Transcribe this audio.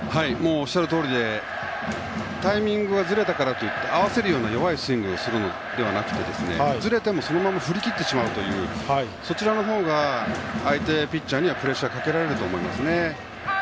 おっしゃるとおりでタイミングがずれたからといって合わせるような弱いスイングをするのではなくてずれても、そのまま振り切ってしまうというそちらのほうが相手ピッチャーにはプレッシャーがかかると思います。